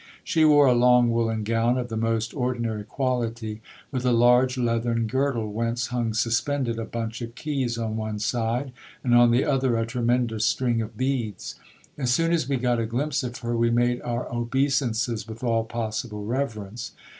She wore a long woollen gown of the most ordinary quality, with a large leathern girdle, whence hung suspended a bunch of keys on one side, and on the other a tremendous string of beads. As soon as we got a glimpse of her, we made our obeisances with all possible reverence.